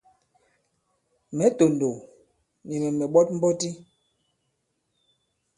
Mɛ̌ tòndòw, nì mɛ̀ mɛ̀ ɓɔt mbɔti.